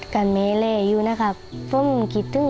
ต้องร้อนที่ซึ้ง